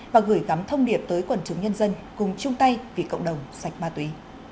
và gửi gắm thông điệp tới quần chúng nhân dân cùng chung tay vì cộng đồng sạch ma túy